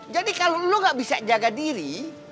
jadi kalau lo nggak bisa jaga diri